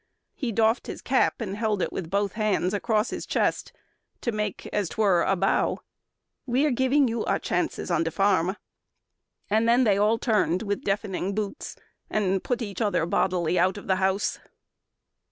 He doffed his cap and held it with both hands Across his chest to make as 'twere a bow: "We're giving you our chances on de farm." And then they all turned to with deafening boots And put each other bodily out of the house.